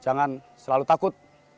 jangan selalu takut